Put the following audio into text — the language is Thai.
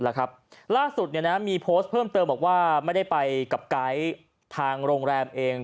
ล่าสุดมีโพสต์เพิ่มเติมบอกว่าไม่ได้ไปกับไกด์ทางโรงแรมเอง